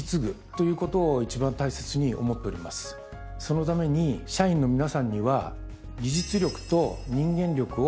そのために社員の皆さんには。